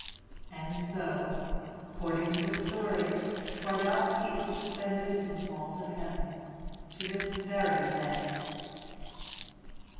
And so, according to the story, Twardowski is suspended in the vault of heaven to this very day.